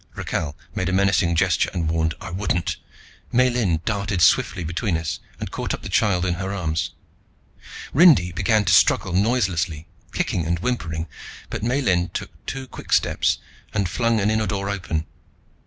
Rakhal made a menacing gesture and warned, "I wouldn't " Miellyn darted swiftly between us and caught up the child in her arms. Rindy began to struggle noiselessly, kicking and whimpering, but Miellyn took two quick steps, and flung an inner door open.